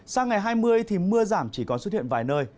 sang ngày hai mươi thì mưa giảm chỉ còn xuất hiện vài nơi